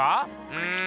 うん。